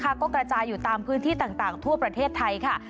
ก็กระจายอยู่ตามพื้นที่ต่างทั่วประเทศไทยค่ะ